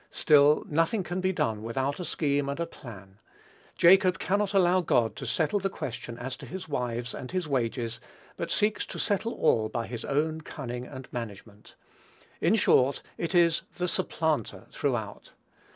Still nothing can be done without a scheme and a plan. Jacob cannot allow God to settle the question as to his wives and his wages, but seeks to settle all by his own cunning and management. In short, it is "the supplanter" throughout.